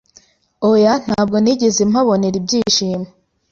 Oya ntabwo nigeze mpabonera ibyishimo